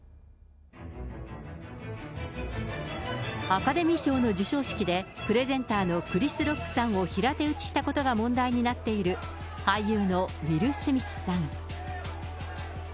アカデミー賞の授賞式で、プレゼンターのクリス・ロックさんを平手打ちしたことが問題になっている、俳優のウィル・スミスさん。